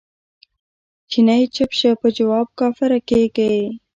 جینی چپ شه په جواب کافره کیږی